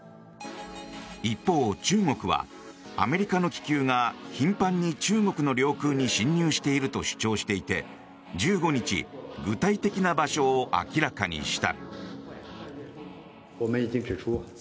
一方、中国はアメリカの気球が頻繁に中国の領空に侵入していると主張していて１５日具体的な場所を明らかにした。